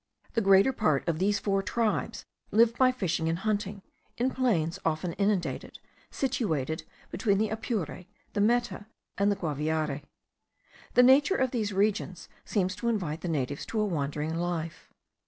The greater part of these four tribes live by fishing and hunting, in plains often inundated, situated between the Apure, the Meta, and the Guaviare. The nature of these regions seems to invite the natives to a wandering life.